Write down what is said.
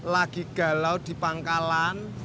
lagi galau di pangkalan